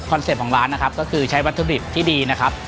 เป็ปต์ของร้านนะครับก็คือใช้วัตถุดิบที่ดีนะครับ